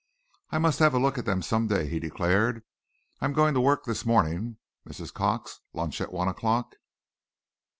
"I must have a look at them some day," he declared. "I am going to work this morning, Mrs. Cox. Lunch at one o'clock."